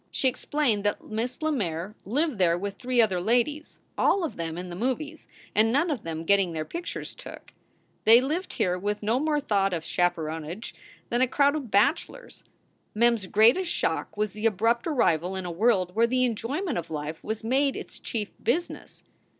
She explained that Miss Lemaire lived there with three other ladies, all of them in the movies, and none of them getting their pictures took. They lived here with no more thought of chaperonage i68 SOULS FOR SALE than a crowd of bachelors. Mem s greatest shock was the abrupt arrival in a world where the enjoyment of life was made its chief business.